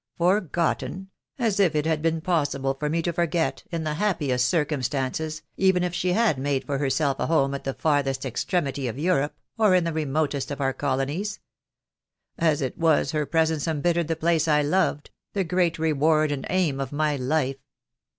Forgotten? as if it had been possible for me to forget, in the happiest circumstances, even if she had made for herself a home at the farthest extremity of Europe, or in the remotest of our colonies. As it was, her presence embittered the place I loved — the great reward and aim of my life.